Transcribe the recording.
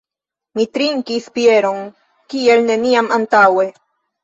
Mi trinkis bieron kiel neniam antaŭe.